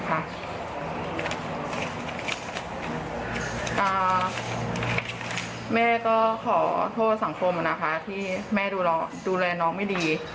แม่ก็ขอโทษสังคมนะคะที่แม่ดูแลน้องไม่ดี